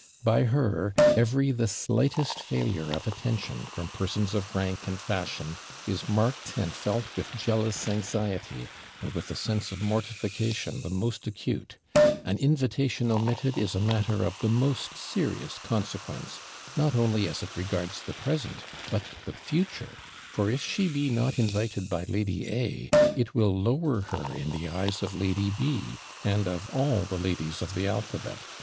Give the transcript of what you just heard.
By her, every the slightest failure of attention, from persons of rank and fashion, is marked and felt with jealous anxiety, and with a sense of mortification the most acute an invitation omitted is a matter of the most serious consequence, not only as it regards the present, but the future; for if she be not invited by Lady A, it will lower her in the eyes of Lady B, and of all the ladies of the alphabet.